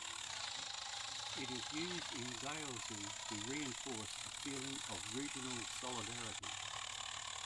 It is used in Zaolzie to reinforce a feeling of regional solidarity.